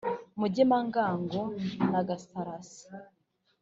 mugemangango na gasarasi